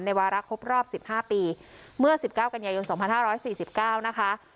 ในวารคบรอบสิบห้าปีเมื่อสิบเก้ากันใหญ่ยนต์สองพันห้าร้อยสี่สิบเก้านะคะ